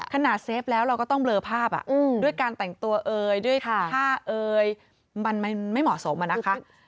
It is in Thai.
เซฟแล้วเราก็ต้องเลอภาพด้วยการแต่งตัวเอ่ยด้วยผ้าเอ่ยมันไม่เหมาะสมอะนะคะ